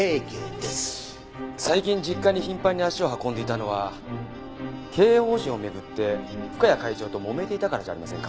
最近実家に頻繁に足を運んでいたのは経営方針を巡って深谷会長ともめていたからじゃありませんか？